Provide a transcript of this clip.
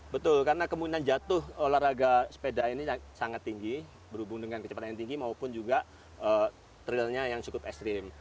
betul karena kemungkinan jatuh olahraga sepeda ini sangat tinggi berhubung dengan kecepatan yang tinggi maupun juga trailnya yang cukup ekstrim